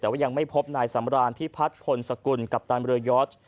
แต่ว่ายังไม่พบนายสำรานพิพัฒน์พลสกุลกัปตันเรือยอด